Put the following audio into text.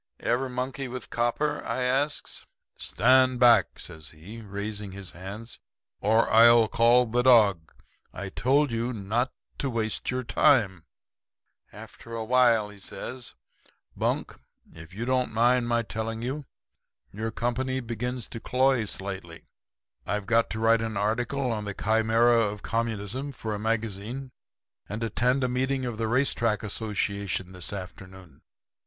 "'Ever monkey with copper?' I asks. "'Stand back!' says he, raising his hand, 'or I'll call the dog. I told you not to waste your time.' "After a while he says: 'Bunk, if you don't mind my telling you, your company begins to cloy slightly. I've got to write an article on the Chimera of Communism for a magazine, and attend a meeting of the Race Track Association this afternoon.